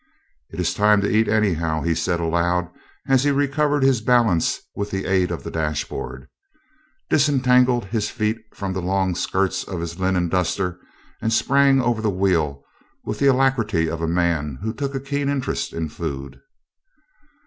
"It's time to eat, anyhow," he said aloud as he recovered his balance with the aid of the dashboard, disentangled his feet from the long skirts of his linen duster and sprang over the wheel with the alacrity of a man who took a keen interest in food.